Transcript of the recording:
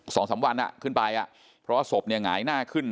สองสามวันอ่ะขึ้นไปอ่ะเพราะว่าศพเนี่ยหงายหน้าขึ้น